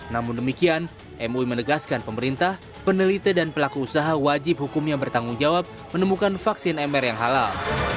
namun demikian mui menegaskan pemerintah peneliti dan pelaku usaha wajib hukumnya bertanggung jawab menemukan vaksin mr yang halal